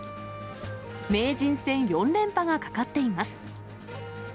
名人戦４連覇がかかっています。